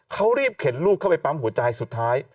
เขารีบเข็นลูกเข้าไปปั๊มหัวใจสุดท้าย